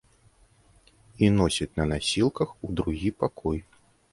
І носяць на насілках у другі пакой.